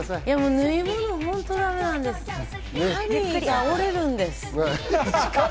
縫い物、本当嫌なんです。